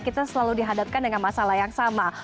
kita selalu dihadapkan dengan masalah yang sama